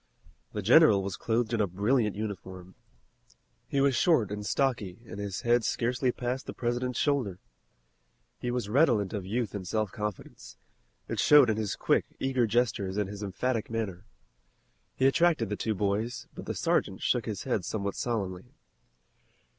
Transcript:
The general was clothed in a brilliant uniform. He was short and stocky and his head scarcely passed the President's shoulder. He was redolent of youth and self confidence. It showed in his quick, eager gestures and his emphatic manner. He attracted the two boys, but the sergeant shook his head somewhat solemnly.